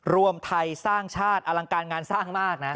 รวมไทยสร้างชาติอลังการงานสร้างมากนะ